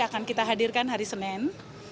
akan kita hadirkan hari senin